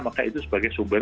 maka itu sebagai sumber